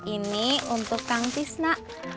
ini untuk kang tisna